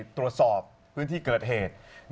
ตรวจสอบพื้นที่เกิดเหตุ